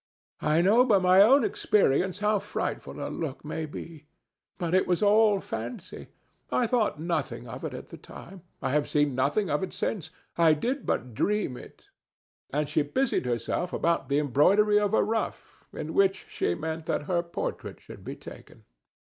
I know by my own experience how frightful a look may be. But it was all fancy. I thought nothing of it at the time; I have seen nothing of it since; I did but dream it;" and she busied herself about the embroidery of a ruff in which she meant that her portrait should be taken.